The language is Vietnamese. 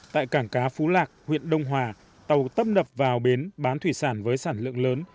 tại cảng cá phú lạc huyện đông hòa tàu tâm đập vào bến bán thủy sản với sản lượng lớn